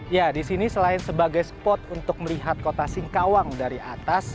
ya di sini selain sebagai spot untuk melihat kota singkawang dari atas